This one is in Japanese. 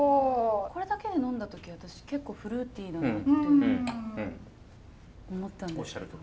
これだけで呑んだ時私結構フルーティーな思ったんですけども。